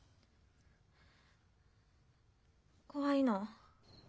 怖いの。